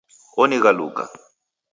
Onighaluka